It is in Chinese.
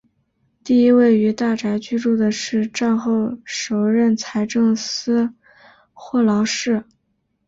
第一位于大宅居住的是战后首任财政司霍劳士。